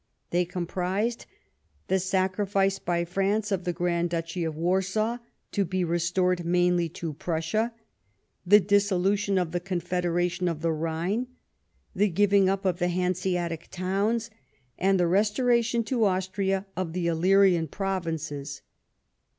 They comprised — the sacrifice by France of the Grand Duchy of Warsaw to be restored mainly to Prussia ; the disso lution of the Confederation of the Rhine ; the giving up of the Ilanseatic towns ; and the restoration to Austria of the Illyrian provinces.